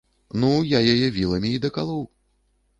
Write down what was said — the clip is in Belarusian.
Ну, я яе віламі і дакалоў.